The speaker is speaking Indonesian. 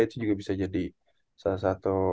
itu juga bisa jadi salah satu